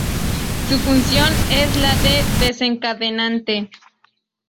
Su función es la de desencadenante.